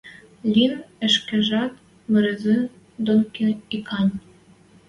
Лин ӹшкежӓт мырызы дон икань.